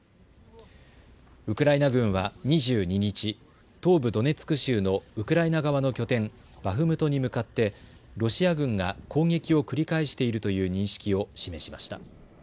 ウクライナ軍は２２日、東部ドネツク州のウクライナ側の拠点バフムトに向かってロシア軍が攻撃を繰り返しているという認識を示しました。